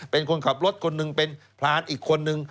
เป็นคนขับรถคนหนึ่งเป็นพรานอีกคนนึง